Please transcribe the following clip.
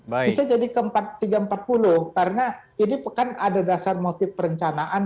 bisa jadi ke tiga ratus empat puluh karena ini kan ada dasar motif perencanaan